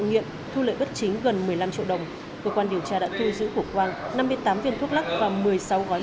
trong đó năm mươi tám viên thuốc lắc và một mươi sáu gói ma túy khay